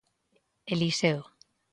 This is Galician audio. Eliseo.